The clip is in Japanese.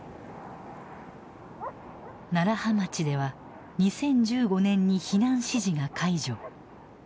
楢葉町では２０１５年に避難指示が解除。